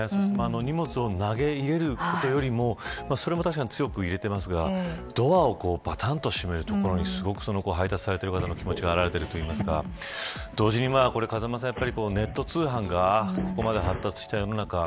荷物を投げ入れることよりもそれも確かに強く入れていますがドアをバタンと閉めるところに配達されてる方の気持ちが表れているというか同時にネット通販がここまで発達した世の中